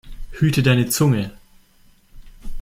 Hüte deine Zunge!